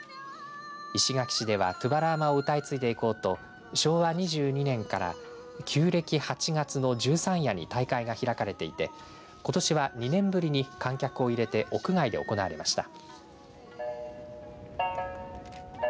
石垣市では、とぅばらーまを歌い継いでいこうと昭和２２年から旧暦８月の十三夜に大会が開かれていてことしは２年ぶりに観客を入れて屋外で行われました。